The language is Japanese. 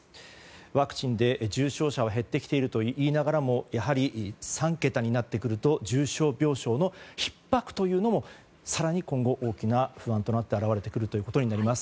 ワクチンで重症者は減ってきているとはいいながらもやはり、３桁になってくると重症病床のひっ迫も更に今後大きな不安となって現れます。